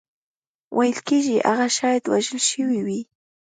ویل کېږي هغه شاید وژل شوی وي.